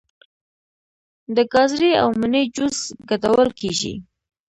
د ګازرې او مڼې جوس ګډول کیږي.